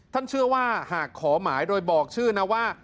เชื่อว่าหากขอหมายโดยบอกชื่อนะว่า